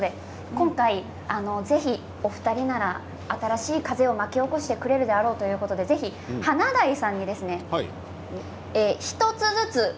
お二人なら新しい風を巻き起こしてくれるだろうということで華大さんに１つずつ。